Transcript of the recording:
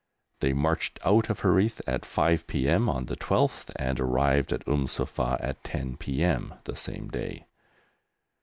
They marched out of Harith at 5 p.m. on the 12th, and arrived at Umm Suffah at 10 p.m. the same day.